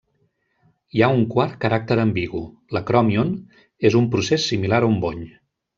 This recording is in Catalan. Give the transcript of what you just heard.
Hi ha un quart caràcter ambigu: l'acròmion és un procés similar a un bony.